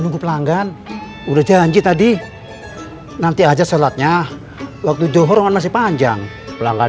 nunggu pelanggan udah janji tadi nanti aja sholatnya waktu johor kan masih panjang pelanggan